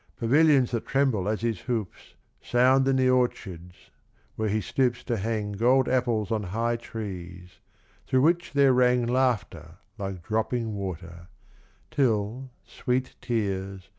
Pavilions that tremble as his hoofs Sound in the orchards where he stoops to hang Gold apples on high trees through which there rang Laughter like dropping water, till, sweet tears.